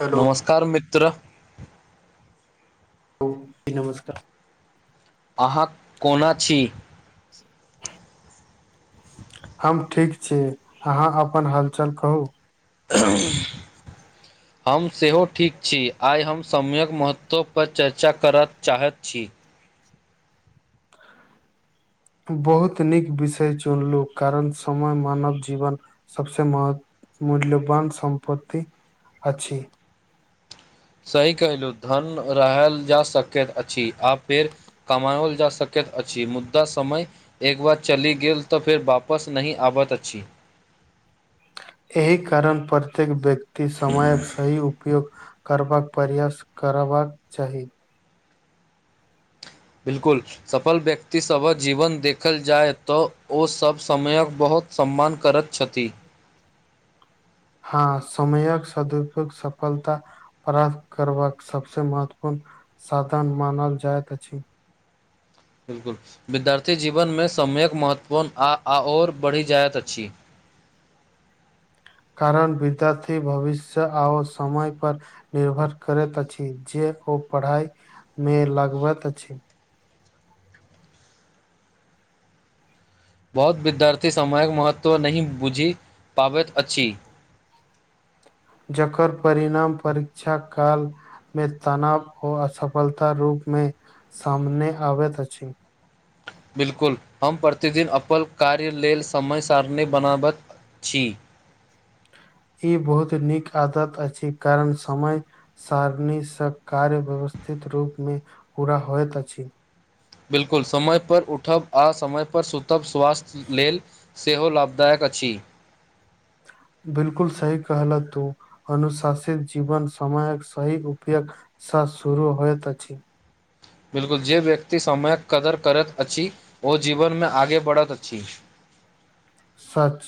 hello नमस्कार मित्र ह जी नमस्कार अहाँ कोना छी हम ठीक छी अहाँ अपन हालचल कहू [inaudible] [inaudible] हम सेहो ठीक छी आइ हम समयक महत्वपर चर्चा करय चाहैत छी बहुत नीक विषय चुनलू कारण समय मानव जीवन सभसँ महत्व मूल्यवान सम्पत्ति अछि सही कहहिलहु धन रहल जा सकैत अछि आ फेड़ कमाओल जा सकैत अछि मुदा समय एक बार चलि गेल तऽ फेर वापस नहि आबैत अछि ऐहि कारण प्रत्येक व्यक्ति समयक सही उपयोग कर करबाक प्रयस करबाक चाही बिल्कुल सफल व्यक्ति सभक जीवन देखल जाय तऽ ओ सभ समयक बहुत बहुत सम्मान करैत छथि [inaudible] हँ समयक सदुपयोग सफलता प्राप्त करबक सबस महत्वपूर्ण साधन मानल जायइत अछि अछि बिलकुल विद्यार्थी जीवन मे समयक महत्वपूर्ण आ आ ओर बढ़ी जायत अच्छी [inaudible] कारण विद्यार्थी भविष्य आओ समय पर निर्भर करैत अछि जे ओ पढ़ाइ मे लगबेत अछि बहुत विद्यार्थी समयक महत्व नहि बुझि पाबैत अछि [inaudible] जकर परिणाम परीक्षा काल मे तनाव आ असफलता रूप मे सामने आबैत अछि बिलकुल हम प्रतिदिन अपन कार्य लेल समय सारणी बनाबैत छी [inaudible] ई बहुत नीक आदत अछि कारण समय सारणीसँ कार्य ववथा उथित रूपमे पूरा होइत अछि बिलकुल समय पर उठब आ समय पर सुतब स्वास्थ्य लेल सेहो लाभदायक छी [inaudible] बिलकुल सहि कहल तू अनुशासित जीवन समयक सही उपयोग स शुरू होत छी बिल्कुल जे व्यक्ति समयक कदर करैत अछि ओ जीवन में आगे बढ़ैत अछि सच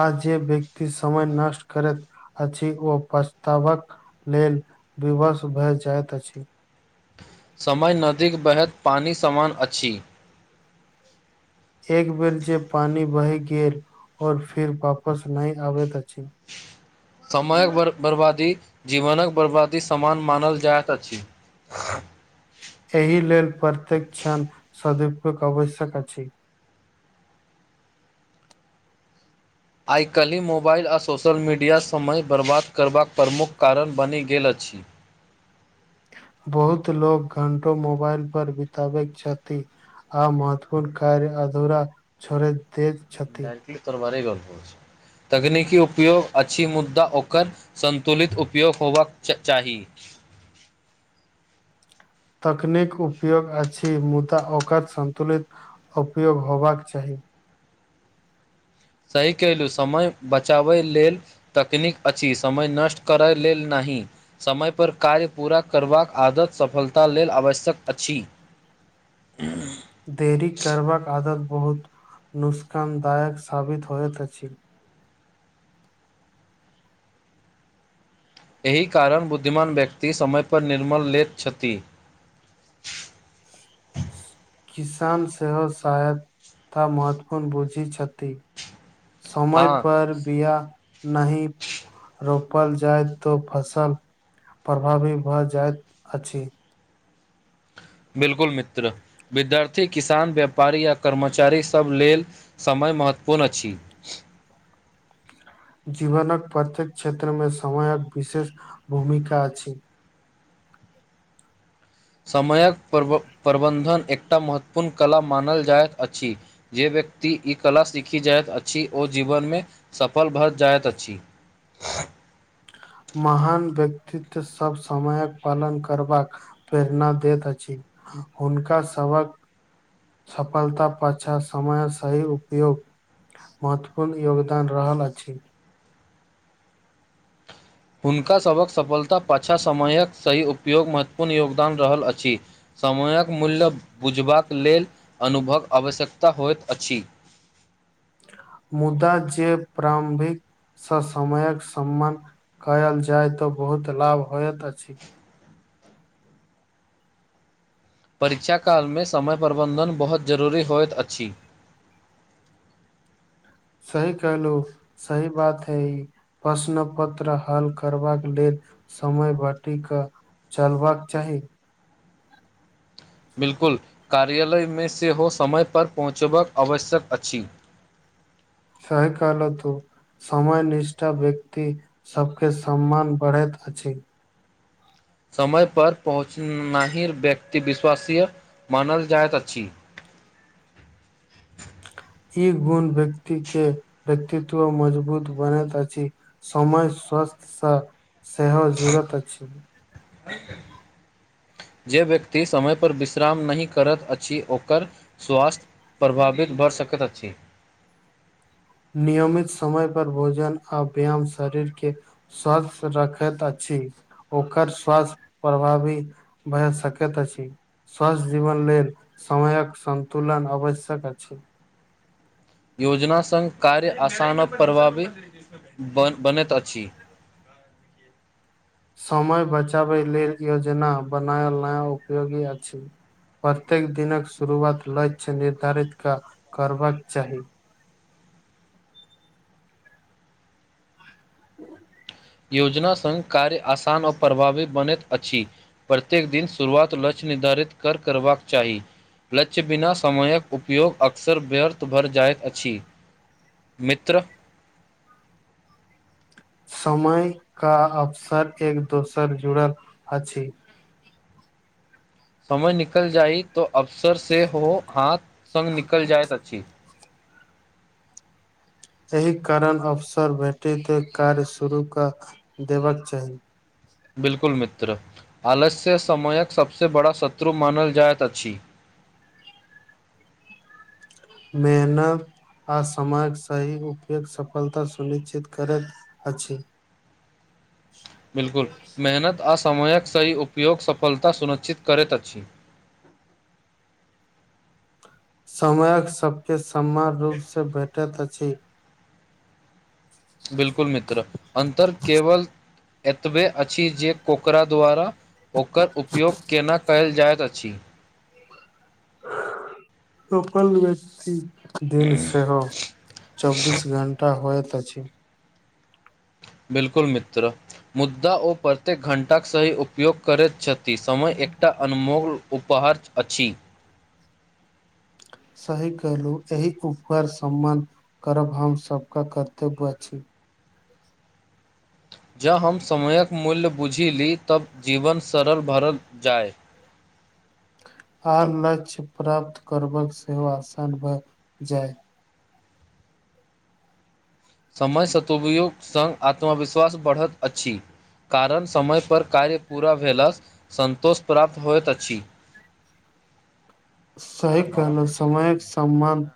आ जे व्यक्ति समय नष्ट करैत अछि ओ पछतावक लेल विवश भए जाइत अछि समय नदीक बहैत पानि सामान अछि एक बेर जे पानि बहि गेल और फिर वापस नहि आबे दछि समयक बर्बादी जीवनक बर्बादी समान मानल जाएत अछि [inaudible] सदीपके कवश्यका छी आइकाल्हि मोबाइल आ सोशल मीडिया समय बर्बाद करबाक प्रमुख कारण बनि गेल छी त बहुत लोक घण्टों मोबाइल पर बितबैत छथि आ महत्वपूर्ण कार्य अधूरा छोरय इड्टली तोर बारे गल्प छौ तकनीकी उपयोग अछि मुद्दा ओकर सन्तुलित उपयोग होयबाक चा चाही [inaudible] तकनीक उपयोग अछि मुदा ओकर सन्तुलित उपयोग होयबाक चाही सही कलहुँ समय बचाबय लेल तकनीक अछि समय नष्ट करय लेल नहि समय पर कार्य पूरा करबाक आदत सफलता लेल आवश्यक अछिं हुंम देरी करबाक आदत बहुत नुस्कानदायक साबित होत छल एहि कारण बुद्धिमान व्यक्ति समय पर निर्मल लेैत छथि [inaudible] किसान सेहो सहायता महत्वपूर्ण बुझी छथि समय हँ पर बिआ नाहि रोपल जाय तो फसल प्रभावी भऽ जाइत अछि बिलकुल मित्र विद्यार्थी किसान व्यापारी आ कर्मचारी सभ लेल समय महत्वपूर्ण अछि जीवनक प्रत्येक क्षेत्रमे समयक विशेष भूमिका अछि समयक प्रबंन्धन एकटा महत्वपूर्ण कला मानल जाइत अछि जे बे व्यक्ति ई कला सीखि जाइत अछि आ ओ जीवन मे सफल भऽ जाइत अछि [inaudible] महान व्यक्तित्व सभ समयक पालन करबाक प्रेरणा दैत अछि हुनका सबक सफलता पाछाँ समय सही उपयोग महत्वपूर्ण योगदान रहल अछि हुनकासभक सफलत पाछाँ समयक सही उपयोग महत्वपूर्ण योगदान रहल अछि समयक मूल्य बुझबाक लेल अनुभव आवश्यकता होइत अछिं मुदा जे प्रारम्भिक सँ समयक सम्मान कयल जाय तऽ बहुत लाभ होइत अछि परीक्षा कालमे समय प्रबन्धन बहुत जरूरी होइत अछि [inaudible] सही कहलो सही बात है ई प्रश्न पत्र हल करबाक लेल समय बाटी का चलबाक चाही बिल्कुल कार्यालय मे सेहो समयपर पहुँचबाक आवश्यक अछि सही कलह तू समय निष्ठा व्यक्ति सबके सम्मान बढ़ैत अछि समय पर पहुँचनाही व्यक्ति विश्वासीय मानल जाइत अछि ई गुण व्यक्ति के व्यक्तित्व मजबूत बनैत अछि समय स सेहो जुड़त अछि जे व्यक्ति समय पर विश्राम नहि करैत अछि ओकर स्वास्थ्य प्रभावित भऽ बढ़ सकत अछि [inaudible] नियमित समय पर भोजन आ व्यायाम शरीर के स्वस्थ रखैत अछि ठीक ओकर स्वास्थ प्रभावी भए सकैत अछि स्वस्थ जीवन लेल समयक सन्तुलन आवश्यक अछि योजना सङ्ग कार्य आसान प्रबाबी ब बनैत अछि [inaudible] समय बचाबै लेल योजना बनायल नया उपयोगी अछि प्रत्येक दिनक शुरुआत लक्ष्य निर्धारित क करबाक चाही [inaudible] योजना सङ्ग कार्य आसान आओर प्रभावी बनैत अछि प्रत्येक दिन शुरुआत लक्ष निर्धारित कर करबाक चाही लक्ष्य बिना समयक उपयोग अक्सर व्यर्थ भरि जाइत अछि मित्र [inaudible] समय का अवसर एक दोसर जुड़ल अछि समय निकल जाइ तो अवसर सेहो हाथ सङ्ग निकल जाय अछि एहि कारण अवसर भेटैत कार्य शुरू कऽ देबके चाही बिल्कुल मित्र आलस्य समयक सबसँ बड़ा शत्रु मानल जाइत अछि मे न आ समयक सही उपयग सफलता सुनिश्चित करैत अछि [inaudible] बिलकुल मेहनत आस समयक सही उपयोग सफलता सुनिश्चित करैत अछि समयक सबके समान रूपसँ भेटैत अछि बिलकुल मित्र अन्तर केवल एतबे अछि जे ओकरा द्वारा ओकर उपयोग केना कयल जाइत अछि सफल व्यक्ति दिन सेहो चौबीस घण्टा होइत अछि बिल्कुल मित्र मुद्दा ओ प्रत्येक घण्टाक सही उपयोग करैत छथि समय एकटा अनमोल उपहार अछि सही कहलू एहि उपकर सम्मान करब हम सबके कर्तव्य अछि जँ हम समयक मूल्य बूझि ली तब जीवन सरल भरल जाय [inaudible] आर लक्ष्य प्राप्त करबक सेहो आसान भऽ जाय समय सतुपयोग सङ्ग आत्मविश्वास बढ़ैत अछि कारण समयपर कार्य पूरा भेलासँ सन्तोष प्राप्त होइत अछि [inaudible] सही कहलहु समयक समबन्ध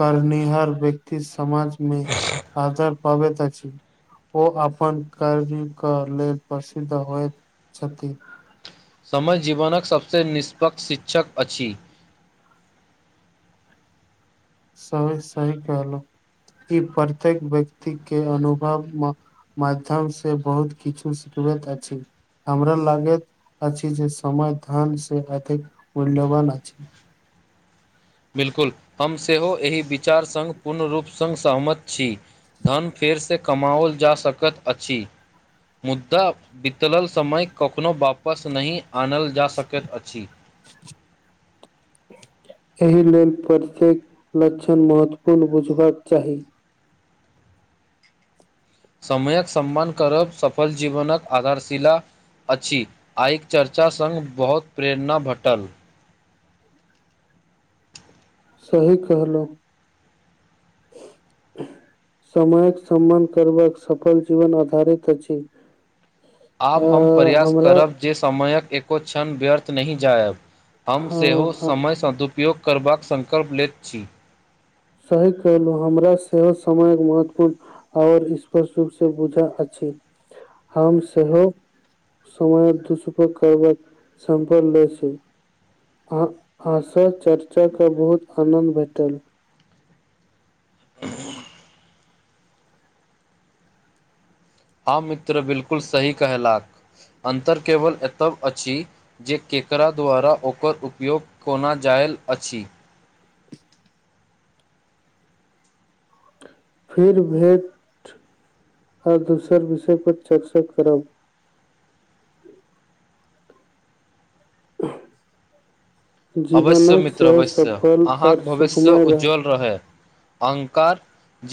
करनिहार व्यक्तिसँ समाज मे आदर पाबैत अछि ओ अपन कार के लेल प्रसिद्ध होइत छथि समय जीवनक सभसँ निष्पक्ष शिक्षक अछि सही सही कहलहु ई प्रत्येक व्यक्ति के अनुभव माध्यम से बहुत किछु सिख पूरक अछि हमरा लागैत अ छी जे समय धन से अधिक मूल्यवान अछि [inaudible] बिल्कुल हम सेहो एहि विचार सङ्ग पूर्ण रूप सङ् सहमत छी धन फेरसँ से कमाओल जा सकैत अछि मुद्दा बितलल समय कखनो वापस नहि आनल जा सकैत अछि एहि लेल प्रत्येक लक्षण महत्वपूर्ण बुझबाक चाही समयक सम्मान करब सफल जीवनकक आधारशिला अछि आइ चर्चा सङ्ग बहुत प्रेरणा भेटल सही कहलहुँ समयक सम्मान करबाक सफल जीवन आधारित अछि अ आब हम प्रयास हमरा करब जे समयक एको क्षण व्यर्थ नहि जायब हम हँ सेहो हँ समय सदुपयोग करबाक सङ्कल्प लैत छी सही कहलहुँ हमरा सेहो समयक महत्वपूर्ण आओर स्पष्ट रूपसँ बुझा अछि हम सेहो समय सदउपयोग करबाक समफल ले छै अ आशा चर्चाक बहुत आनन्द भेटल हुंम हँ मित्र बिलकुल सही कहेलाक अन्तर केवल एतब अछि जे केकरा द्वारा ओकर उपयोग कोना जाय भेल अछि फिर भेट आओर दोसर विषय पर चर्चा करब [inaudible] अवश्य जीवनक मित्र सेहो अवश्य सफल आओर अहाँके भविष्य सुखमय रहय उज्ज्वल रहै अहंकार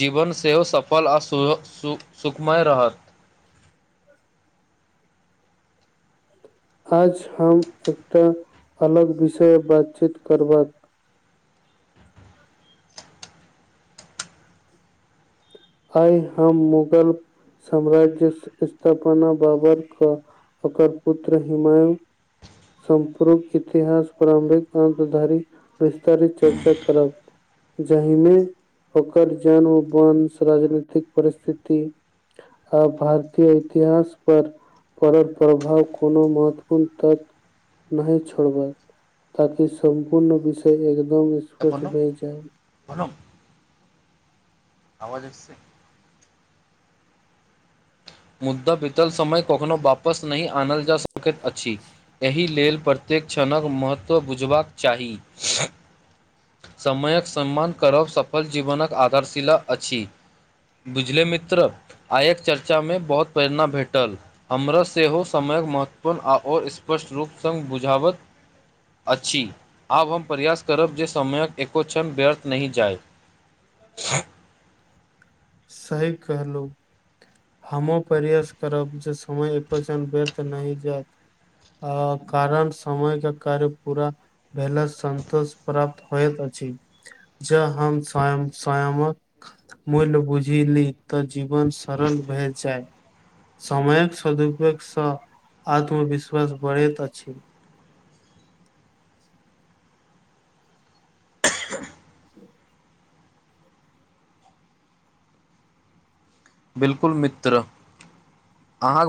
जीवन सेहो सफल आ सु सु सुखमय रहल [inaudible] आज हम एकटा अलग विषय बातचीत करबैय आइ हम मुगल साम्राज्य स्थापना बाबर क ओकर पुत्र हिमायु संपूर्क इतिहास प्रारम्भिक अत धारी विस्तारित चर्चा करब जाहिमे ओकर जन वंश राजनीतिक परिस्थिति आ भारतीय इतिहास पर परड़ल प्रभाव कोनो महत्वपूर्ण तत्व नहि छोड़बै ताकि सम्पूर्ण विषय एकदम स्पष्ट अपन भए जाय [inaudible] मुद्दा बीतल समय कखनो वापस नहि आनल जा सकैत अछि एहि लेल प्रतेक्षणक महत्त्व बुझबाक चाही समयक सम्मान करब सफल जीवनक आधारशिला अछि बुझले मित्र आयक चर्चा में बहुत प्रेरणा भेटल हमरा सेहो समयक महत्वपूर्ण आ आओर स्पष्ट रूप सँग बुझाबत अछि आब हम प्रयास करब जे समयक एको क्षण व्यर्थ नहि जाय [inaudible] सही कहलो हमो प्रयास करब जे समय एको झण बेर्थ नह जाइत अ कारण समय क कार्य पूरा भेल सन्तोष प्राप्त होयत अछि अछि ज हम स्वायं स्वयामक मूल्य बुझे जी ली तऽ जीवन सरल भए जाय समयक सदुपयोग सँ आत्मविश्वास बढ़ैत अछि [inaudible] बिल्कुल मित्र अहाँ